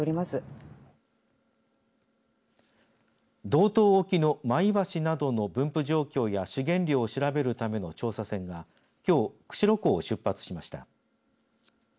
道東沖のマイワシなどの分布状況や資源量を調べるための調査船がきょう釧路港を出発しました。